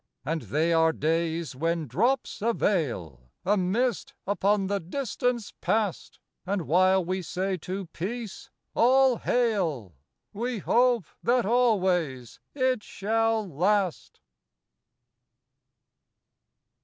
And they are days when drops a veil — A mist upon the distance past; And while we say to peace —" All hail! " We hope that always it shall last.